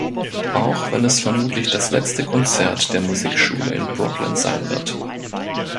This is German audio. Auch wenn es vermutlich das letzte Konzert der Musikschule in Brooklyn sein wird.